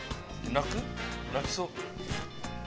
泣きそう？